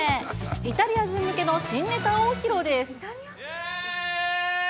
イタリア人向けの新ネタを披露でイェイ！